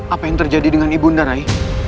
apa yang terjadi dengan ibunda rai